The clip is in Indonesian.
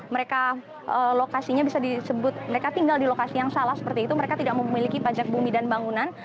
mereka tinggal di lokasi yang salah seperti itu mereka tidak memiliki pajak bumi dan bangunan